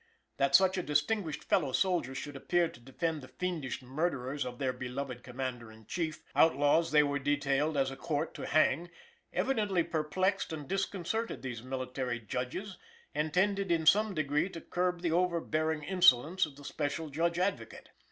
That such a distinguished fellow soldier should appear to defend the fiendish murderers of their beloved Commander in Chief outlaws they were detailed as a Court to hang evidently perplexed and disconcerted these military Judges and tended in some degree to curb the over bearing insolence of the Special Judge Advocate.